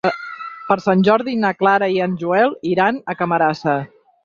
Per Sant Jordi na Clara i en Joel iran a Camarasa.